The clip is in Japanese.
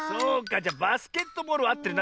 じゃバスケットボールはあってるな。